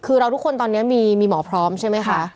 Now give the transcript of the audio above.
คือเราทุกคนตอนนี้มีหมอพร้อมใช่ไหมคะ